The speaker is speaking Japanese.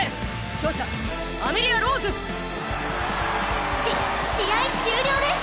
勝者アメリア＝ローズ！し試合終了です